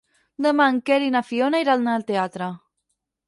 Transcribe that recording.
Demà en Quer i na Fiona iran al teatre.